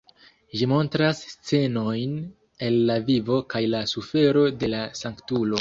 Ĝi montras scenojn el la vivo kaj la sufero de la sanktulo.